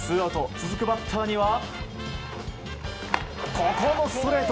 続くバッターにはここもストレート！